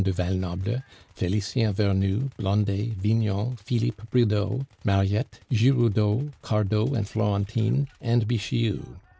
du Val Noble, Felicien Vernou, Blondet, Vignon, Philippe Bridau, Mariette, Giroudeau, Cardot and Florentine, and Bixiou.